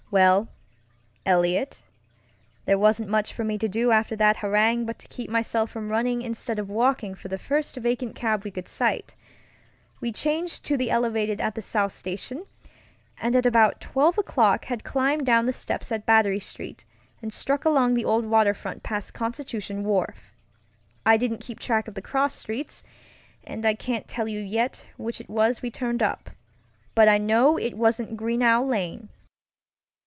Well, Eliot, there wasn't much for me to do after that harangue but to keep myself from running instead of walking for the first vacant cab we could sight. We changed to the elevated at the South Station, and at about 12 o'clock had climbed down the steps at Battery Street and struck along the old waterfront past Constitution Wharf. I didn't keep track of the cross streets, and can't tell you yet which it was we turned up, but I know it wasn't Greenough Lane.